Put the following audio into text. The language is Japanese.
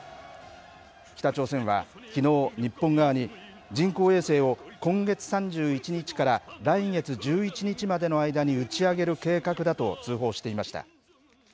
北朝鮮はきのう日本側に、人工衛星を今月３１日から来月１１日までの間に打ち上げる計画だと通報していました。